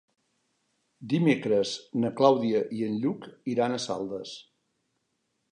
Dimecres na Clàudia i en Lluc iran a Saldes.